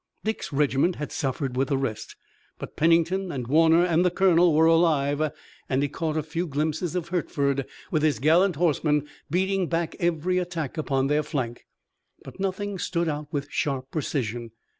Dick's regiment had suffered with the rest, but Pennington and Warner and the colonel were alive, and he caught a few glimpses of Hertford with his gallant horsemen beating back every attack upon their flank. But nothing stood out with sharp precision.